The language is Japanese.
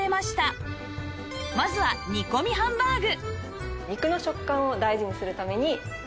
まずは煮込みハンバーグ